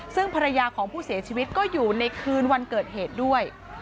ซึ่งภรรยาของผู้เสียชีวิตก็อยู่ในคืนวันเกิดเหตุด้วย